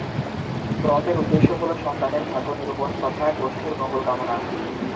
ব্রতের উদ্দেশ্য হল সন্তানের ভাগ্য নিরূপণ তথা গোষ্ঠীর মঙ্গল কামনা।